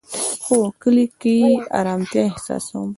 هو، کلی کی ارامتیا احساسوم